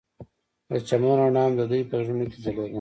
د چمن رڼا هم د دوی په زړونو کې ځلېده.